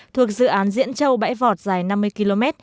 thuộc dự án diễn châu bãi vọt dài năm mươi km